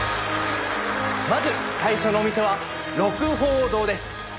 まず最初のお店は鹿楓堂です。